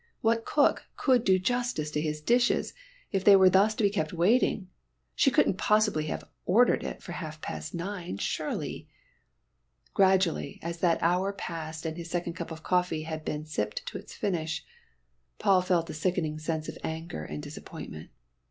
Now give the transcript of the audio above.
What cook could do justice to his dishes if they were thus to be kept waiting? She couldn't possibly have ordered it for half past nine, surely! Gradually, as that hour passed and his second cup of coffee had been sipped to its finish, Paul felt a sickening sense of anger and disappointment.